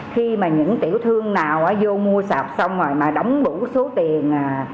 khi mà những tiểu thương nào vô mua sạp xong rồi mà đóng đủ số tiền